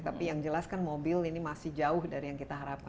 tapi yang jelas kan mobil ini masih jauh dari yang kita harapkan